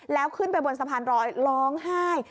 แล้วขึ้นไปบนสะพานรอยร้องไห้